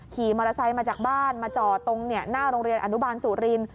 ขี่มอเตอร์ไซค์มาจากบ้านมาจอดตรงหน้าโรงเรียนอนุบาลสุริน